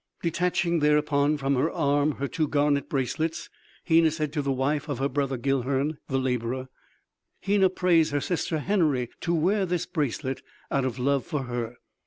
Detaching thereupon from her arm her two garnet bracelets, Hena said to the wife of her brother Guilhern, the laborer: "Hena prays her sister Henory to wear this bracelet out of love for her."